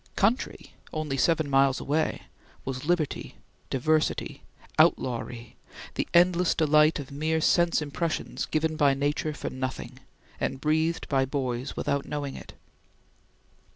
Country, only seven miles away, was liberty, diversity, outlawry, the endless delight of mere sense impressions given by nature for nothing, and breathed by boys without knowing it.